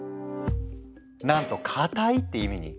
なんと「かたい」って意味に！